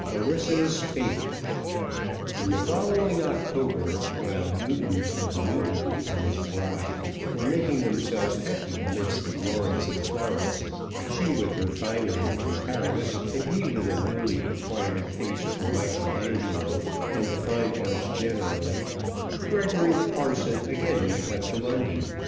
CLARISSA'S FATE. In the following October, while Newton of Newton and his bride were making themselves happy amidst the glories of Florence, she with her finery from Paris, and he with a newly acquired taste for Michael Angelo and the fine arts generally, Gregory the parson again went up to London.